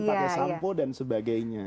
pakai sampo dan sebagainya